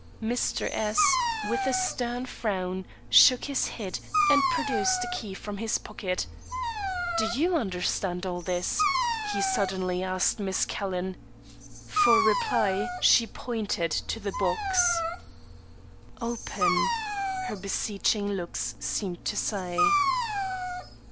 Mr. S , with a stern frown, shook his head, and produced a key from his pocket. "Do you understand all this?" he suddenly asked Miss Calhoun. For reply, she pointed to the box. "Open!" her beseeching looks seemed to say.